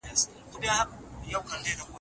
اسلامي شريعت د شغار نکاح منع کړې ده